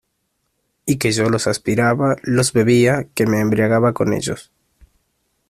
y que yo los aspiraba, los bebía , que me embriagaba con ellos...